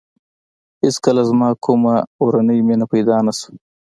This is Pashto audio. هېڅکله زما کومه اورنۍ مینه پیدا نه شوه.